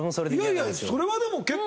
いやいやそれはでも結構。